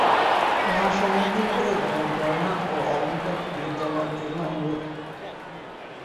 মা সম্বোধন করে গায়ের গয়না ও অলংকার খুলে দেওয়ার জন্য অনুরোধ করত।